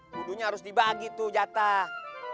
wudhunya harus dibagi tuh jatah